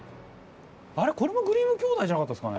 あれこれもグリム兄弟じゃなかったっすかね？